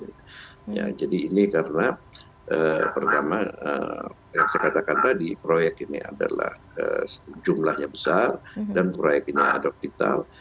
ya jadi ini karena pertama yang saya katakan tadi proyek ini adalah jumlahnya besar dan proyek ini adoptital